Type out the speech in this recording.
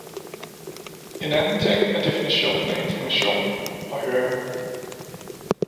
En anden ting er definitionen af information og høring.